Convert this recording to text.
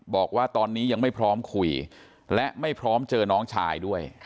บอกว่าตอนนี้ยังไม่พร้อมคุยและไม่พร้อมเจอน้องชายด้วย